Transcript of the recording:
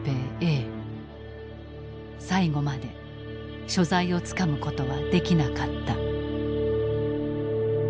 最後まで所在をつかむことはできなかった。